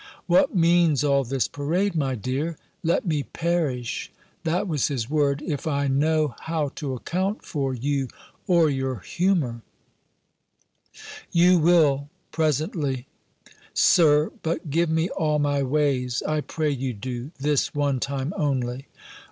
"What means all this parade, my dear? Let me perish," that was his word, "if I know how to account for you, or your humour." "You will, presently. Sir. But give me all my ways I pray you do This one time only!"